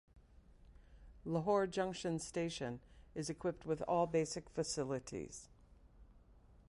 Lahore Junction Station is equipped with all basic facilities.